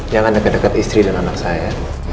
jangan deket deket istri dan anak saya